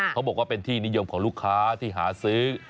เขาบอกว่าเป็นที่นิยมของลูกค้าที่หาซื้อ